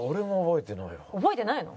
覚えてないの？